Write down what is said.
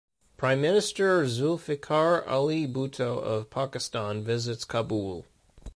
Prime Minister Zulfikar Ali Bhutto of Pakistan visits Kabul.